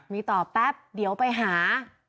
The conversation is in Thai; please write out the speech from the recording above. มีต่อแป๊บเดี๋ยวไปหา